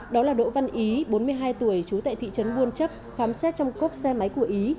đó là đỗ văn ý bốn mươi hai tuổi trú tại thị trấn buôn chấp khám xét trong cốp xe máy của ý